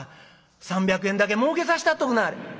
３００円だけ儲けさしたっとくなはれ」。